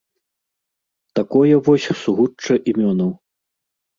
Такое вось сугучча імёнаў.